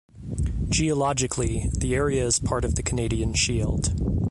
Geologically, the area is part of the Canadian shield.